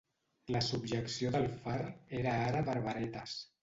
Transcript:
La subjecció del far era ara per varetes.